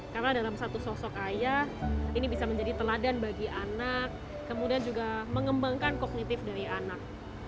karena dalam satu sosok ayah ini bisa menjadi teladan bagi anak kemudian juga mengembangkan kognitif dari anak